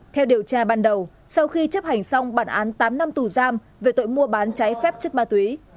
theo điều tra ban đầu sau khi chấp hành xong bản án tám năm tù giam về tội mua bán trái phép chất ma túy